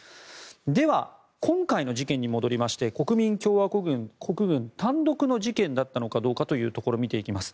では今回の事件に戻りまして国民共和国軍単独の事件だったのかどうなのかという点を見ていきます。